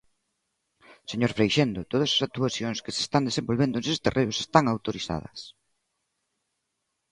Señor Freixendo, todas as actuacións que se están desenvolvendo neses terreos, están autorizadas.